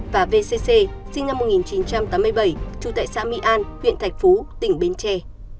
và vcc sinh năm một nghìn chín trăm tám mươi bảy trú tại xã mỹ an huyện thạch phú tỉnh bến tre